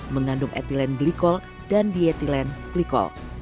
mengandung etilen glikol dan dietilen glikol